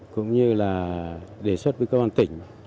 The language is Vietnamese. cũng như là đề xuất với cơ quan tỉnh